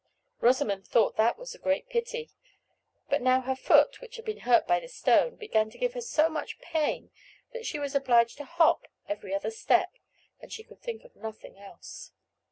Rosamond thought that was a great pity. But now her foot, which had been hurt by the stone, began to give her so much pain that she was obliged to hop every other step, and she could think of nothing else.